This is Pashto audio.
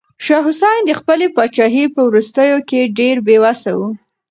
شاه حسين د خپلې پاچاهۍ په وروستيو کې ډېر بې وسه و.